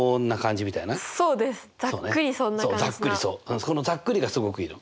そのざっくりがすごくいいの。